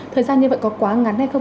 thời gian như vậy có quá ngắn hay không